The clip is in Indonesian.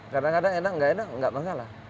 kadang kadang enak enggak enak enggak masalah